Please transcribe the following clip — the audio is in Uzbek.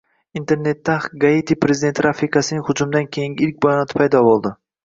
Internetda Haiti prezidenti rafiqasining hujumdan keyingi ilk bayonoti paydo bo‘ldi